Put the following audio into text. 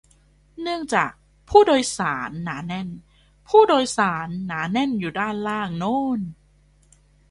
เนื่องจาก "ผู้โดยสาร" หนาแน่น "ผู้โดยสาร" หนาแน่นอยู่ด้านล่างโน่น